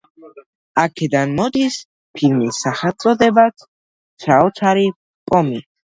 აქედან მოდის ფილმის სახელწოდებაც – „საოცარი პომი“.